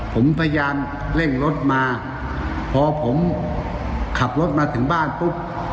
ผมพยายามเร่งรถมาพอผมขับรถมาถึงบ้านปุ๊บ